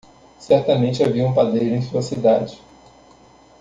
Certamente havia um padeiro em sua cidade.